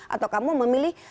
atau kamu memilih